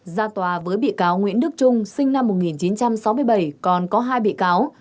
ra tòa với bị cáo nguyễn đức trung sinh năm một nghìn chín trăm sáu mươi bảy còn có hai bị cáo